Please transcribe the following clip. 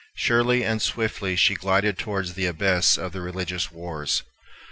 Surely and swiftly she glided towards the abyss of the religious wars.